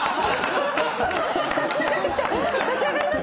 立ち上がってきた！